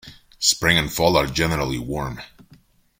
Spring and fall are generally warm.